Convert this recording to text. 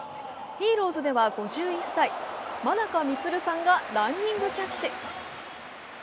ヒーローズでは、５１歳・真中満さんがランニングキャッチ。